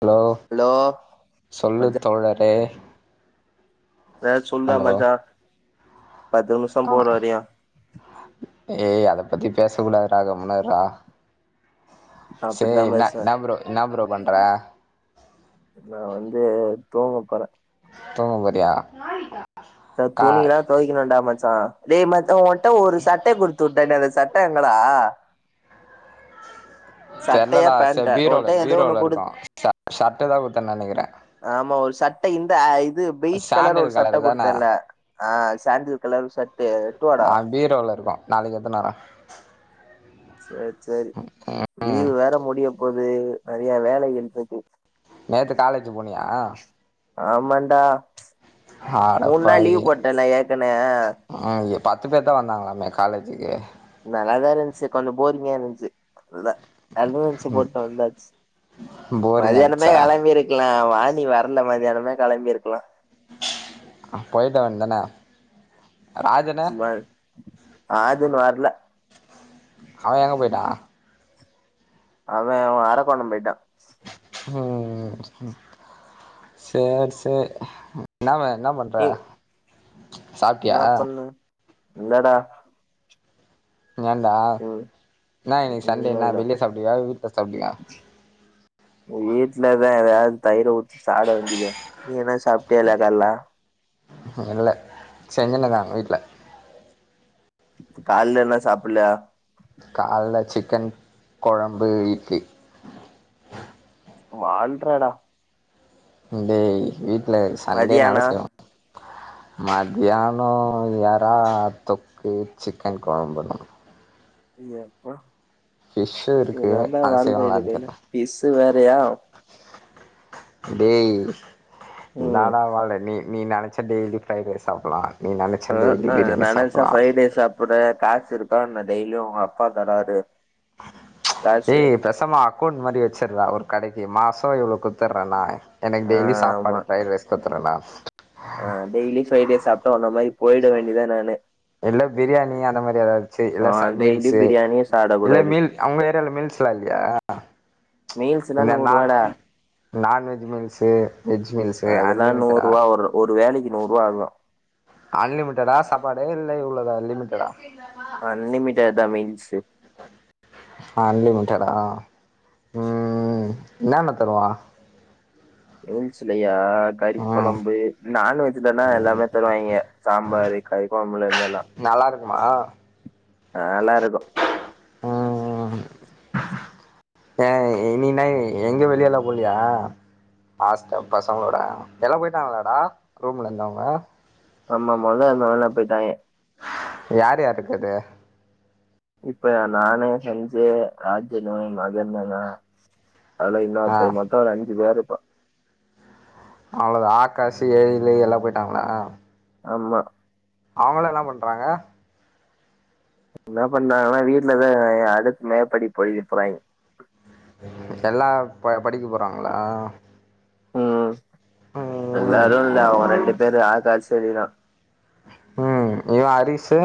Hello hello சொல்லுத் மச்சா தோழரே ஏ சொல்றா ஹலோ மச்சா பத்து நிமிஷோ போறே வரியா ஏ‌ அத பத்தி பேச கூடாதுடா கம்முனு இருடா நா சேரி அப்படித்தா என்ன பேசுவே என்ன ப்ரோ என்ன ப்ரோ பண்ற நா வந்து தூங்கப்போறே தூங்க போறீயா அ துணிலா தொவைக்கனுடா மச்சா டே மச்சா ஒன்ட்ட ஒரு சட்ட குடுத்துவுட்டனே அந்த சட்ட எங்கடா சட்டையா தெர்லடா சேர் பேண்ட்டா பீரோல உன்ட்ட ஏதோ ஒண்ணு பீரோல குடு இருக்கு ச சட்டதா குடுத்தன் நெனைக்கிறே ஆமா ஒரு சட்ட இந்த அ இது பீச் கலர் ஒரு சாண்டில் சட்ட கலரு தான குடுத்தல்ல ஆ சாண்டில் கலர் சர்ட்டு வாடா ஆ பீரோல இருக்கு நாளைக்கு எட்த்துனு வரே சேரி சேரி ம் லீவு வேற முடியப் போது நெறையா வேலை இருந்தது நேத்து காலேஜு போனியா ஆமான்டா மூண் நாள் லீவ் போட்டல்ல ஏற்கனே ஆ அது பத்து பேர்தா வந்தாங்களாமே காலேஜுக்கு நல்லாதா இருந்துச்சு கொஞ்ச போரிங்கா இருந்துச்சு அதுதா அட்வான்ஸு போட்டு வந்தாச்சு போரிங்கா மதியானமே இருந்துச்சா கெளம்பிருக் க்லா வாணி வர்ல மதியானமே கெளம்பிருக்கலா போயிட்டுவந்தனா [unintelligible] அது இன்னு வர்ல அவ எங்க போயிட்டா அவ அவ அரக்கோண போயிட்டா ம் ம் சேரி சேரி என்னாவ என்ன பண்ற நீ சாப்ட்டியா என்ன பண்ண இல்லடா ஏண்டா ம் இன்னா இன்னைக்கு சண்டே என்ன உண்மதா வெளிய சாப்டுவியா வீட்ல சாப்டுவியா ம் வீட்லதா எதாவ்து தயிர ஊத்தி சாப்ட வேண்டியதே நீ என்ன சாப்ட்டியா இல்லயா கால்ல அ இல்ல சென்னைலதா வீட்ல கால்ல இன்னு சாப்புட்ல கால்ல சிக்கன் கொழம்பு இட்லி வாழ்றடா ம் டேய் வீட்ல மதியானோ சண்டேனால செய்வாங் மத்யானோ எறா தொக்கு சிக்கன் கொழம்புதா எப்பா ஃபிஷ்ஷு இருக்கு இதான்டா அது வாழ்றது செய்வாங்களான்னு ஏனா தெர்ல ஃபிஷ்ஷு வேறையா டேய் ம் என்னாடா வாழ்றே நீ நீ நெனைச்சா டெய்லி ஃப்ரைட் ரைஸ் சாப்புட்லா ஆ ஆ நெனச்சா ஃப்ரைட் ரைஸ் சாப்புட்ற காசு இருக்கா என்ன டெய்லியு ஒங்க அப்பா தராரு ஏ காசு பேச சாம அக்கௌண்ட் மாரி வெச்சிட்றா ஒரு கடைக்கு மாசோ இவ்ளோ குட்த்துர்றே நா எனக்கு ஆ டெய்லி ஆமா சாப்பாடு ஃப்ரைட் ரைஸ் குட்த்துறேன்டா ஆ டெய்லி ஃப்ரைட் ரைஸ் சாப்ட்டா ஒன்ன மாரி போயிட வேண்டியதா நானு இல்ல பிரியாணி அந்த மாரி எதாவ்து சே ஆ எல்லாரு ச டெய்லி மீல்ஸு பிரியாணியே இல்ல சாப்டக்கூடாது மீல் அவ்ங்க ஏரியால மீல்ஸ்லா இல்லையா மீல்ஸுதா இந்த நான் நூறுவாடா நான்வெஜ் மீல்ஸு வெஜ் மீல்ஸு அதெல்லா அன்லிமிட்டடா நூறுவா ஒரு ஒரு வேளைக்கு நூறுவா ஆகு அன்லிமிட்டடா சாப்பாடு இல்ல இவ்ளோதா லிமிட்டடா அன்லிமிட்டட் தா மீல்ஸு அன்லிமிட்டடா ம் என்னன தருவா ரூல்ஸ்ல்லயா கறி ம் கொழம்பு நான்வெஜ் தான்டா எல்லாமே தருவாங்க சாம்பரு கறி கொழம்புல இருந்தெல்லா நல்லா இருக்குமா ஆ நல்லா இருக்கு எ இனினய் எங்க வெளியல போலியா ஆஸ்ட பசங்களோட எல்லா போயிட்டாங்களாடா ரூம்ல இருந்தவங்க ஆமா மொத இருத்தவங்கலா போய்ட்டாங்க யார் யார் இக்கது இப்ப நானே செஞ்சே ராஜனு மதனுதா அல்ல ஆ இன்னொத்த மொத்த ஒரு அஞ்சு பேரு இப்போ அவ்வளத ஆக்காசு எழிலு எல்லா போயிட்டாங்க ஆமா அவங்களா என்ன பன்றாங்க என்ன பண்றாங்கனா வீட்லதா அடுத் மேப்படிப் படிக்க போறாங்க எல்லா படிக்க போறாங்களா ம் ம் எல்லாரு இல்ல அவங்க ரெண்டு பேரு ஆக்காஸ் சரிரா ம் இவ அரிஷு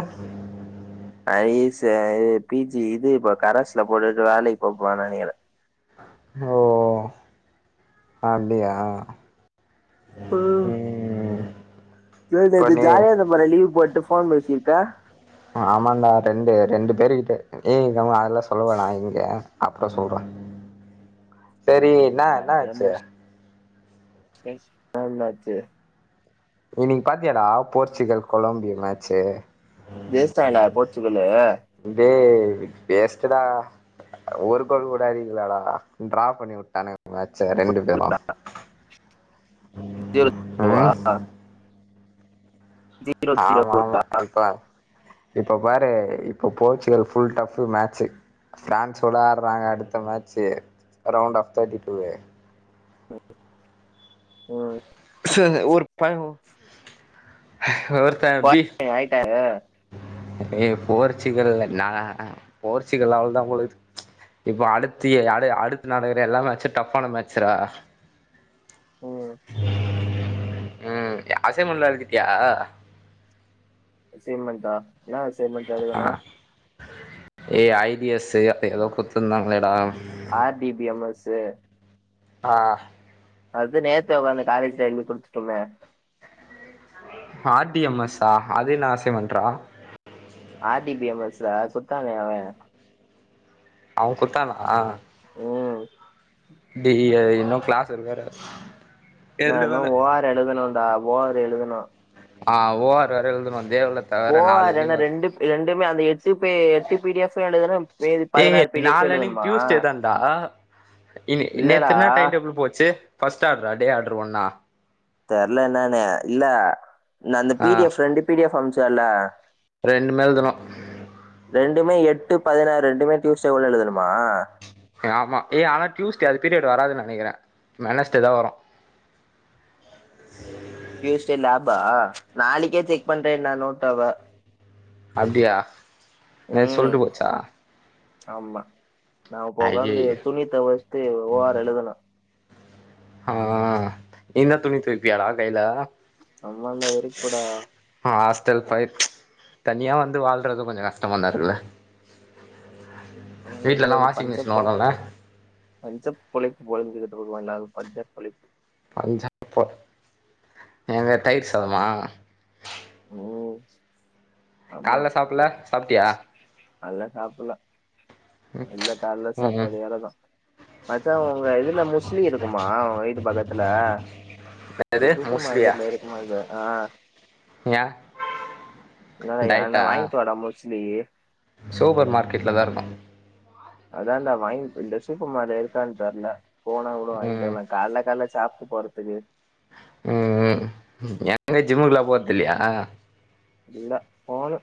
அரிஷு இது பிஜி இது இப்ப கரசுல போட்டுட்டு வேலைக்கு போப்பான் நெனைக்கிறே ஓ அப்டியா ம் ம் இது இப்ப நேத்து நீ ஜாலியா இருந்த போல லீவ் போட்டு போன் பேசிட்டு ஆமான்டா ரெண்டு ரெண்டு பேருக்கிட்ட ஏ க அதெல்லா சொல்லுவனா இங்க அப்புற சொல்ற சரி என்னா சாத்தியா என்னாச்சு முச் அப்ற என்னாச்சி இன்னைங்கு பாத்தீயாடா போர்ச்சுகல் கொலம்பி மேச்சு ஜெயிஸ்டாங்களா போர்ச்சுகல்லு டேய் வேஸ்டுடா ஒரு கோல் கூட அடிக்களடா ட்ரா பண்ணி விட்டானுங்க டா மேட்ச ரெண்டு எலா ஜீரோ ஜீரோவா ம் ஜீரோ ஆமா ஜீரோவா ஆமா ப இப்ப பாரு இப்ப போர்ச்சுகல் ஃபுல்டஃப் மேட்சு பிரான்ஸ் ஓட ஆடுறாங்க அடுத்த மேட்சு ரௌண்ட் ஆப் தேடிடு ம் ஒரு பை ஒருத்த பிஃப் ஆயிட்டரு ஏ போர்ச்சுகல்ல நா போர்ச்சுகல் அவ்ளதா போழுது இப்ப அடுத்து அடுத்து நடக்குற எல்லா மேட்சு டஃப்பான மேட்ச்ரா ம் ம் ஆசைமென்ட் லா எழுதிட்டியா அசைமண்டா என்னா அசைமண்ட் எழுதனு எ ஐவிஎஸ் எதோ குத்துருந்தாங்களேடா ஆர்டிபிஎம்எஸ் ஆ அது நேத்து உக்காந்து காலேஜ் எழுந்து குடுத்துட்டமே ஆர் டி எம் எஸா அது என்ன அசைமென்றா ஆர் டி பி எம் எஸ்ல குட்த்தானே அவே அவ குட்த்தானா ம் டி இன்னு கிளாஸ் இருக்கு வேற நா இன்னு எழுதவேல ஓ ஆர் எழுதணுன்டா ஓ ஆர் எழுதணு ஆ ஓ ஆர் எழுதுனு தேவ்ல போ ஆர் இன்னு ரெண்டு ரெண்டுமே அந்த எட்டுமே எட்டு பி டி எஃபு எழுதணும் வேறு டேய் நாளனைக்கு டியூஸ்டே தான்டா இ இல்லடா நேத்தென டைம்டேபிள் போச்சு ஃபஸ்ட் ஆட்ரா டே ஆடர் ஒன்னா தெர்ல என்னன்னு இல்ல ந அந்த ஆ பி டி எஃப் ரெண்டு பி டி எஃப் அனுப்ச்சேல்ல ரெண்டுமே எழுதனு ரெண்டுமே எட்டு பதினாறு ரெண்டுமே ட்யூஸ் டேக்குள்ள எழுதணுமா ஏ ஆமா ஏ ஆனா டியூஸ்டே அது பீரியட் வராதுன் நெனைக்கிறே வெனஸ்டே தா வரு டியூஸ்டே லபா நாளைக்கே செக் பண்றே நான்வனு வுட்டாவ அப்டியா என்ன ம் சொல்ட்டு போச்சா ஆமா நா இப்போ உக்காந்து ஐய்யய்ய துணி தொவச்ட்டு ஓ ஆர் எழுதனு ஆ நீதா துணி தொவப்பியாடா கைல அம்மா இருந்தா வெரிக்குடா ஆ ஹாஸ்டல் பய தனியா வந்து வாழ்றது கொஞ்சோ கஷ்டமா தா இருக்குல்ல வீட்லல்லா அவனுன்றது வாஷிங் மிஷின் ஓடுல பஞ்ச பொழைப்பு பொழஞ்சிட்ருக்கோ இந்நாள் பஞ்ச பொழைப்பு பஞ்சாப் போ என்ன தயிர் சாதமா ம் ஆமா கால்ல சாப்புல்ல சாப்ட்டியா நல்லா சாப்பிட்லா இல்ல கால்ல ம் ம் சாப்பாடு எர தா மச்சா உங்க இதுல முஸ்லி இருக்குமா ஒ வீட்டு பக்கத்துல இங்க என்னது சூப்பர் மோஸ்லியா மார்க்கெட்லா இருக்குமா இருக்காதா ஆ ஏ என்னடா ஏனா டயட்டா வாங்கிட்டு வாடா மொஸ்லி சூப்பர் மார்க்கெட்ல தா இருக்கு அதான்டா வாங்கி இங்க சூப்பர் மார்க்கெட் இருக்கான் தெர்ல போனா கூட வாங்கிட்டு ம் வரலா கால்ல கால்ல சாப்ட்டு போறதுக்கு ம் [inaudible] ஜிம்முக்குலா போறது இல்லையா இல்ல போனு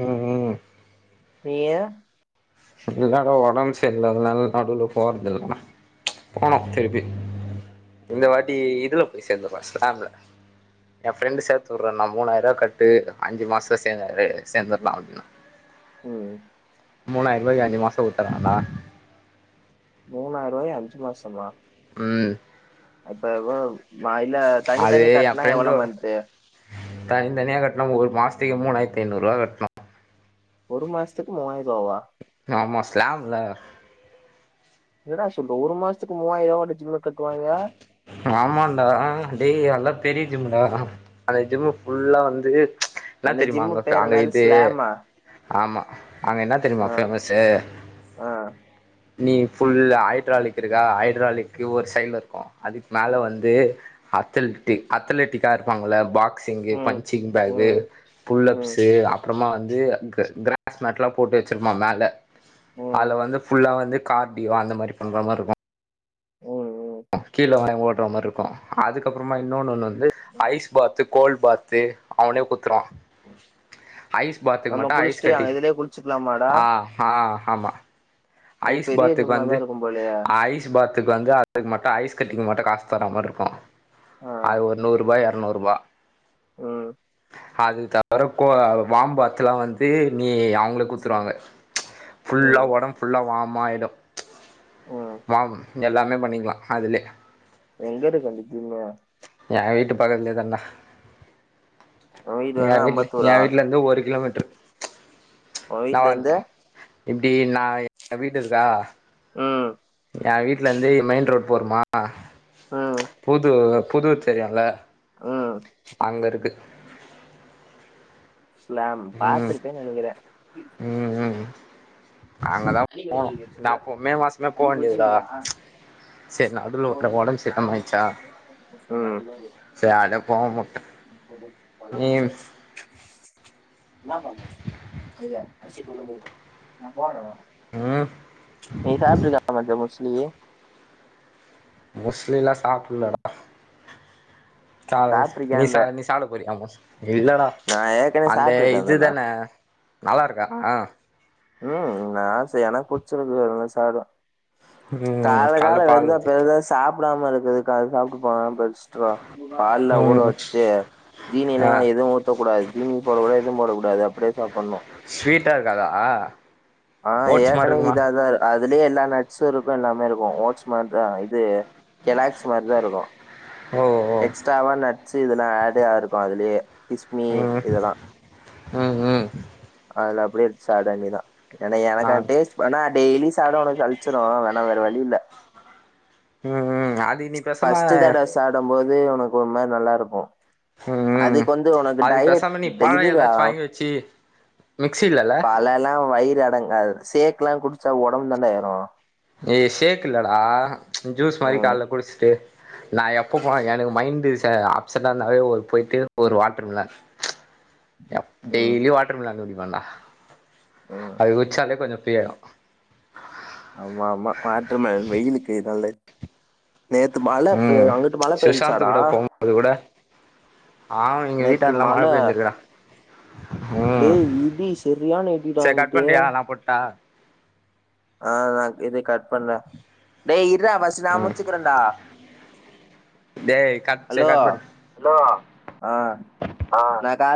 ம் ம் வே எல்லாரு ஒடம்பு சரி இல்லாதுனால நடுல போறதுல்லா நா போனோ திருப்பி இந்த வாட்டி இதுல போய் சேந்தோ மாசன்ல எ ஃப்ரெண்டு சேத்துட்றே நா மூனாயிர் ரூவா கட்டு அஞ்சு மாசத்ல சேந்துரு சேந்துர்லா அப் ம் மூணாயிர் ரூவாய்கு அஞ்சு மாசோ குடுத்துறாங்கனா மூணாயிர் ரூவாய் அஞ்சு மாசமா ம் அப்ப எவ்ளோ ஆ இல்ல தனி தனி கட்னா எவ்ள மந்து தனி தனியா கட்னா ஒரு மாசத்தைக்கு மூணாயிரத்து ஐநூறு ரூபா கட்ணு ஒரு மாசத்துக்கு மூவாயர் ரூவாவா ஆமா ஸ்லாம்ல எனடா சிப்பு ஒரு மாசத்து மூவாயிரம் ரூவாயா ஜிம்முக்கு கட்டுவாங்க ஆமாடா டே அதெல்லா பெரிய ஜிம்முடா அந்த ஜிம் ஃபுல்லா வந்து என்ன அந்த தெரியுமா ஜிம் பேர் அங்க என்னது இது ஸ்லாமா ஆமா அங்க என்னா தெரியுமா ஆ பேமசு ஆ நீ ஃபுல்லா ஹட்ராலிக் இருக்கா ஹட் ராலிக்கு ஒரு சைல்ல இருக்கு அதுக் மேல வந்து அத்தலெட்டி அத்தலெட்டிக்கா இருப்பாங்கல்ல பாக் சிங் ம் பஞ்சிங்பேகு ம் ம் புல்லப்ஸ்சு அப்புறமா வந்து க்ர க்ரத் ஸ்மேட்லா போட்டு வச்சிருப்பா மேல ம் அதுல வந்து ஃபுல்லா வந்து கார்டியு அந்த மாரி பண்ணுற மாரி இருக்கு ம் ம். கீழே வாங்கி ஓடுற மாரி இருக்கு அதுக்கப்புறமா இன்னோனொன்னு வந்து ஐஸ் பாத்து கோல் பாத்து அவனே குத்துருவா ஐஸ் பாத்துக்கு நம்ம மட்டு ஐ குளிச்சுட்டு கட்டி அங்க இதுலயே குளிச்சுக்கலாமாடா ஆஆ ஆமா ஓ ஐஸ் பெரிய பாத்துக்கு ஜிம்மா வந்து தான் இருக்கும் போலயே ஐஸ் பாத் அதுக் வந்து அதுக்கு மட்டு ஐஸ் கட்டிக்கு மட்டு காஸ் தர மாரி இருக்கு ஆ அது ஒரு நூர் ரூபா எரநூறு ரூபா ம் அது தவிர கோ வாம்பாத்துல்லா வந்து நீ அவங்ளே குத்துருவாங்க ஃபுல்லா ம் உடம்பு ஃபுல்லா வாம்மா ஆயிடும் ம் வாம் எல்லாமே பண்ணிக்கலா அதுலயே எங்குட்டு கண்டிச்சீங்க ஏ வீட்டு பக்கதிலயே தாண்டா உன் வீடு ஏ வேணா வீட்ல ஏ அம்பத்தூரா வீட்ல இருந்து ஒரு கிலோமீட்ரு உன் வீட்ல நான் இருந்து இப்டி நா ஏ வீடு இருக்கா ம் எ வீட்லந்து மெயின் ரோட் போறமா ம் புது புதூர் தெரியுல்ல ம் அங்க இருக்கு ஃ ளாம் ம் பாத்துருக்க நெனைக்கிற ம் ம் அங்கதா போனு நா எப் மே மாசமே போவேண்டியதுடா சேரி நடுவுல ஒருத்தனுக் ஒடம்பு சரியில்லாம ஆயிச்சா ச அத போவாம வுட்ட [unintelligible] என்னா பண்ணணு இல்ல அரிசிக்கு உளுந்து நா போட்ற வா ம் நீ சாப்டில்ல டா மஞ்ச மோஸ்லி மோஸ்லி எல்லா சாப்புல்லடா ச நீ சா சாப்ட்ருக்கியான்ற நீ சாப்ட போரியா மோஸ் இல்லடா நா ஏற்கனவே அந்த சாப்ட்டுட்டேன்தானா இதுதான நல்லா இருக்கா ம் நா ச எனக் புடிச்சிருக்கு அதனால சாப்புடுவ ம் கால்ல கால்ல பால் வெருசா ஊத்தி பெருசா சாப்புடாம இருக்குது கா சாப்புட்டு போன பெஸ்ட் டு டா பால்ல ஊற ம் வச்சுட்டு ஆ ஜீனியில்லாம எதுவு ஊத் இருக்க கூடாது ஜீனி போட கூடாது எதுவும் போடக்கூடாது அப்டியே சாப்பட்ணு ஸ்வீட்டா இருக்காதா ஆ ஓட்ஸ் மாரி ஏற்கனவே இருக்குமா இதா தா அதுலயே எல்லா நட்ஸ்சு இருக்கு எல்லாமே இருக்கு ஓட்ஸ் மாரி தா இது கெலாக்ஸ் மாரிதா இருக்கு ஓ ஓ எக்ஸ்ட்ராவா நட்ஸ்ஸு இதெல்லா ஆடே ஆயிருக்க்கு அதுலயே கிஸ்மி ம் இதெல்லா ம் ம் அதுல அப்டியே எடுத்து சாப்ட வேண்டிய தா ஏனா ஆ எனக்கு அந்த டேஸ்ட் ஆனா டெய்லி சாப்ட எனக் சலிச்சிரு வேணா வேற வழி இல்ல ம் ம் அது நீ ஃபஸ்ட்டு பேசாம தடவ சாப்டம் போது ஒனக்கு ஒரு மாரி நல்லாருக்கு ம் அதுக்கு வந்து ஒனக்கு அதுக்கு டயட் பேசாம நீ டே பழோ இதுடா ஏதாச்சு வாங்கி வச்சு மிக்ஸி இல்லல்ல பழல்லா வயிறு அடங்காது சேக்ல்லா குடிச்சா ஒடம்பு தாண்டா ஏறு ஏ சேக் இல்லடா ஜூஸ் மாரி ம் கால்ல குடிச்சுட்டு நா எப்ப போ எனக்கு மைண்டு ச அப்செட் இருந்தாவே ஒரு போய்ட்டு ஒரு வாட்டர்மெலன் அ ம் டெய்லி வாட்டர் மெலன் குடிபண்டா ம் அது குச்சாலே கொஞ்சோ ஃப்ரீ ஆய்ரு ஆமா ஆமா வாட்டர் மெலன் வெயிலுக்கு நல்ல நேத்து மழ பே ம் அங்குட்டு மழ சுஷாந்த் பேஞ்சாடா ஆ எங்க வீட்டான்டல்லா மழ பேஞ்சுருக்குடா ம் டேய் இடி சரியான இடிடா ச கட் அங்கிட்டு பண்றியா நா போட்டா ஆ நா இத கட் பண்ற டே இர்றா ஃபஸ்ட்டு நா முட்சுக்கிற டா டே கட் செ கட் பண்ணு ப்ரோ ஆ ஆ நான் காலைல